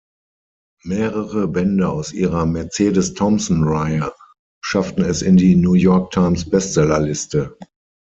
Mehrere Bände aus ihrer Mercedes-Thompson-Reihe schafften es in die New York Times Bestseller-Liste.